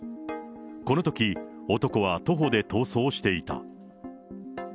このとき、男は徒歩で逃走していた。